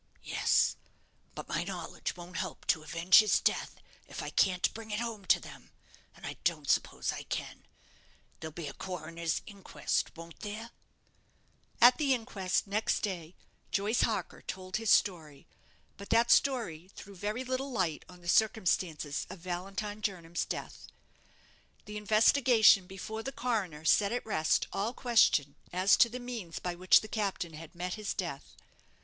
"Yes; but my knowledge won't help to avenge his death, if I can't bring it home to them and I don't suppose I can. There'll be a coroner's inquest, won't there?" At the inquest, next day, Joyce Harker told his story; but that story threw very little light on the circumstances of Valentine Jernam's death. The investigation before the coroner set at rest all question as to the means by which the captain had met his death.